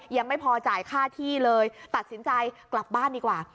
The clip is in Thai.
ยังไม่พอจ่ายค่าที่เลยตัดสินใจกลับบ้านดีกว่า